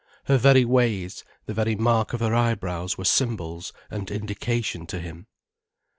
Her very ways, the very mark of her eyebrows were symbols and indication to him.